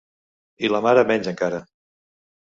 I la mare menys encara.